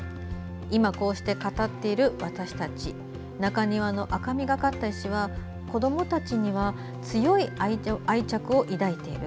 今こうして語っている私たち中庭の赤みがかった石は子どもたちには強い愛着を抱いている。